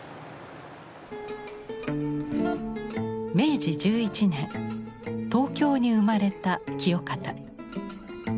明治１１年東京に生まれた清方。